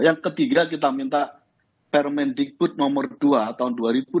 yang ketiga kita minta permendikbud nomor dua tahun dua ribu dua puluh